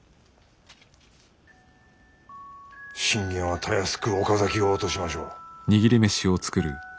信玄はたやすく岡崎を落としましょう。